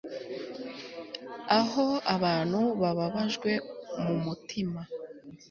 Aho abantu babajwe mumutima